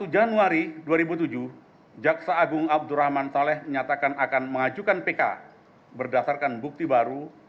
satu januari dua ribu tujuh jaksa agung abdurrahman saleh menyatakan akan mengajukan pk berdasarkan bukti baru